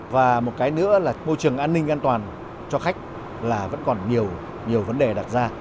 và một cái nữa là môi trường an ninh an toàn cho khách là vẫn còn nhiều nhiều vấn đề đặt ra